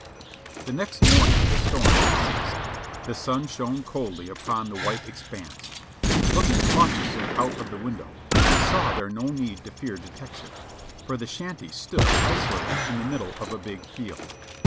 The next morning the storm had ceased ; the sun shone coldly upon the white expanse. Looking cautiously out of the window we saw there no need to fear detection, for the shanty stood isolated in the middle of a big field.